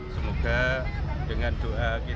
semoga dengan doa kita